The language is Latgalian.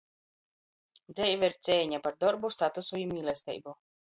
Dzeive ir ceiņa - par dorbu, statusu i mīlesteibu.